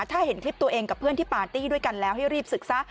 ถ้าเห็นคลิปตัวเองกับเพื่อนที่ปาร์ตี้ด้วยกันแล้วให้รีบศึกซะ